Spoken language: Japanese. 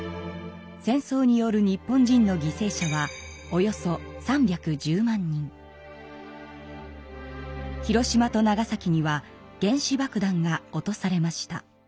戦争による日本人の広島と長崎には原子爆弾が落とされました。